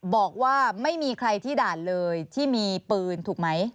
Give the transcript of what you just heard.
บอกว่าไม่มีใครที่ด่านเลยที่มีปืนถูกไหม